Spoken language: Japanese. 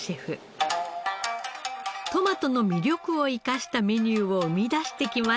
トマトの魅力を生かしたメニューを生み出してきました。